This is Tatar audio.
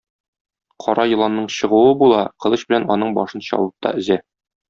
Кара еланның чыгуы була, кылыч белән аның башын чабып та өзә.